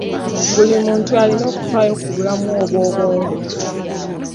Buli muntu alina okufaayo ku bulamu bwe obw'obwongo.